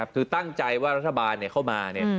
คือตั้งใจว่ารัฐบาลเข้ามา